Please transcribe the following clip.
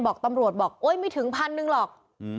บอกตำรวจเย็นตรงเมื่อถึงพันธุ์นึงหรอก